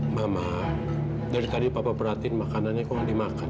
mama dari tadi papa perhatiin makanannya kok nggak dimakan